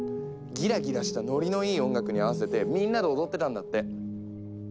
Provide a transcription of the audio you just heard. ギラギラしたノリのいい音楽に合わせてみんなで踊ってたんだって。